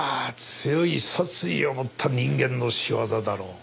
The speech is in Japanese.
強い殺意を持った人間の仕業だろう。